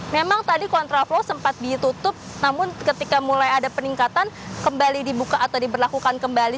memang tadi kontra flow sempat ditutup namun ketika mulai ada peningkatan kembali dibuka atau diberlakukan kembali